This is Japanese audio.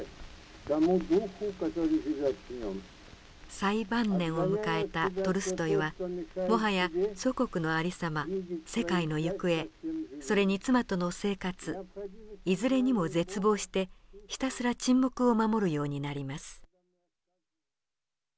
最晩年を迎えたトルストイはもはや祖国のありさま世界の行方それに妻との生活いずれにも絶望してひたすら沈黙を守るようになります。